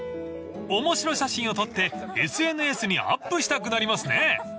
［面白写真を撮ってＳＮＳにアップしたくなりますね］